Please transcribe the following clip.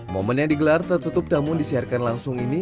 momen yang digelar tertutup namun disiarkan langsung ini